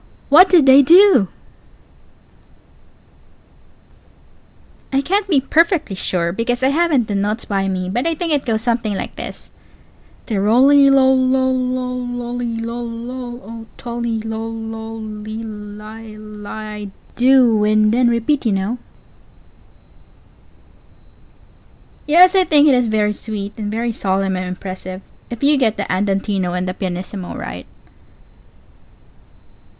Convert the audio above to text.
What did they_ do_? Long pause. I can't be perfectly sure, because I haven't the notes by me; but I think it goes something like this: te rolly loll loll, loll lolly loll loll, O tolly loll loll lee ly li i do! And then repeat, you know. Pause. Yes, I think it_ is_ very sweet and very solemn and impressive, if you get the andantino and the pianissimo right.